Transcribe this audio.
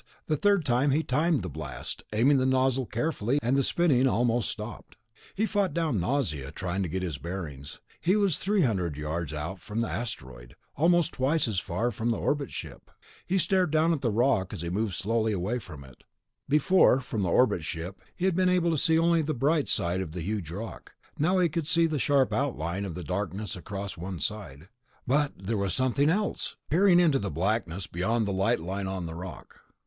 The third time he timed the blast, aiming the nozzle carefully, and the spinning almost stopped. He fought down nausea, trying to get his bearings. He was three hundred yards out from the asteroid, almost twice as far from the orbit ship. He stared down at the rock as he moved slowly away from it. Before, from the orbit ship, he had been able to see only the bright side of the huge rock; now he could see the sharp line of darkness across one side. But there was something else.... He fired the bumper again to steady himself, peering into the blackness beyond the light line on the rock.